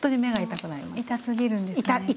痛すぎるんですね。